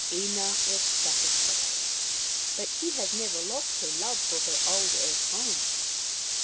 Ina was satisfied. But she has never lost her love for her old earth home.